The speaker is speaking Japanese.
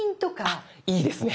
あっいいですね。